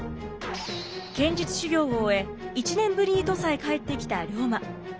剣術修行を終え１年ぶりに土佐へ帰ってきた龍馬。